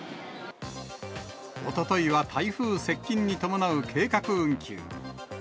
おとといは台風接近に伴う計画運休。